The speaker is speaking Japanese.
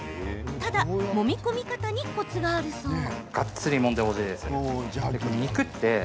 ただ、もみ込み方にコツがあるそう。